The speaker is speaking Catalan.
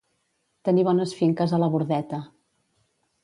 Tenir bones finques a la Bordeta.